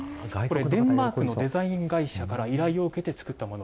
デンマークのデザイン会社から依頼を受けて作ったもの。